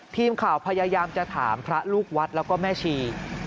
ทีมข่าวพยายามจะถามพระลูกวัดแล้วก็แม่ชี